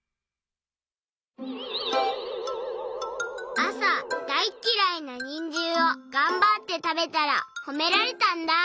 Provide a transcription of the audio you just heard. あさだいっきらいなにんじんをがんばってたべたらほめられたんだ。